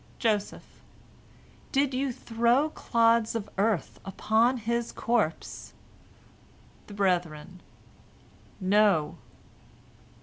Joseph: "Did you throw clods of earth upon his corpse?" The brethren: "No."